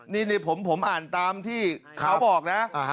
นี่ผมอ่านตามที่เขาบอกนะ